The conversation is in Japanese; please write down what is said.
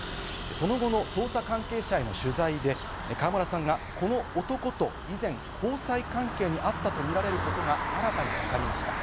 その後の捜査関係者への取材で川村さんがこの男と以前、交際関係にあったとみられることが新たに分かりました。